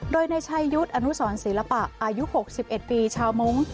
โดยในชายุทธ์อนุสรศิลปะอายุ๖๑ปีชาวมงค์